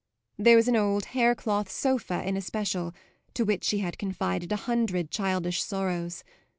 There was an old haircloth sofa in especial, to which she had confided a hundred childish sorrows.